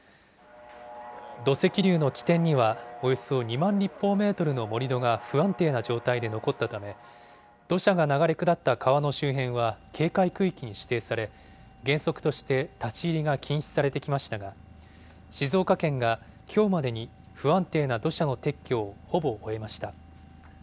土石流の起点には、およそ２万立方メートルの盛り土が不安定な状態で残ったため、土砂が流れ下った川の周辺は警戒区域に指定され、原則として立ち入りが禁止されてきましたが、静岡県がきょうまでに不安定な土砂の撤去をほぼ終えました。